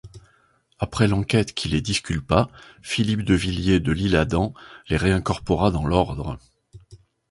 Après l'enquête qui les disculpa, Philippe de Villiers de L'Isle-Adam les réincorpora dans l'Ordre.